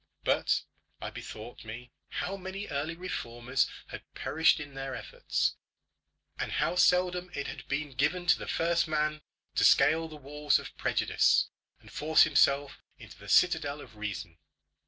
But I bethought me how many early reformers had perished in their efforts, and how seldom it had been given to the first man to scale the walls of prejudice, and force himself into the citadel of reason.